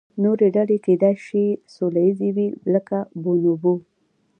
نورې ډلې کیدای شي سوله ییزې وي، لکه بونوبو.